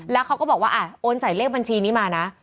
แล้วเขาก็บอกว่าโอนใส่เลขบัญชีนี้มานะ